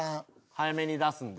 早めに出すんだ。